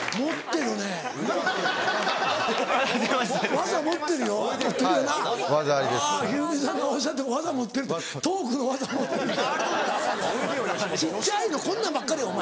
小っちゃいのこんなんばっかりお前。